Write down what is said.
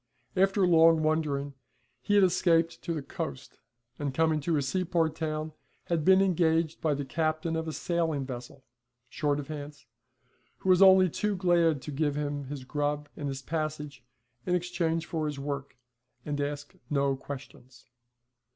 After long wandering he had escaped to the coast, and coming to a seaport town had been engaged by the captain of a sailing vessel, short of hands, who was only too glad to give him his grub and his passage in exchange for his work, and ask no questions.